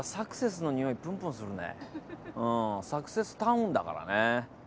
サクセスタウンだからね。